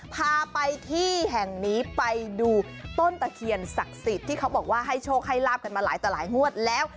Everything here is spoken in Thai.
พาไปที่แห่งนี้ไปดูต้นตะเคียนศักดิ์สิทธิ์ที่เขาบอกว่าให้โชคให้ลาบกันมาหลายต่อหลายงวดแล้ว